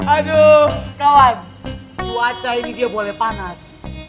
aduh kawan cuaca ini dia boleh panas